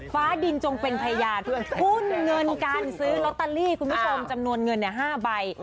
ฟ้าดินจงเป็นพญาด้วยหุ้นเงินการซื้อลอตเตอรี่คุณผู้ชมจำนวนเงิน๕ใบ